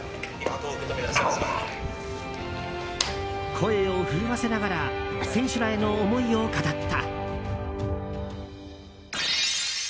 声を震わせながら選手らへの思いを語った。